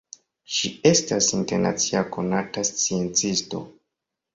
Ŝi estas internacia konata sciencisto.